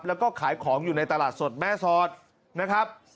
แล้วก็ขายของอยู่ในตลาดสดแม่สอดนะครับ